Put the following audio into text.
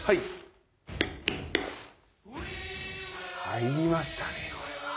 入りましたね。